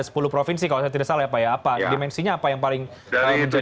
tadi kan ada sepuluh provinsi kalau saya tidak salah ya pak dimensinya apa yang paling menjadi sorotan